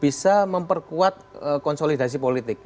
bisa memperkuat konsolidasi politik